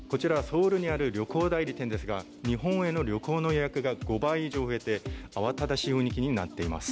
ソウルにある旅行代理店ですが日本への旅行の予約が５倍以上に増えて慌ただしい雰囲気になっています。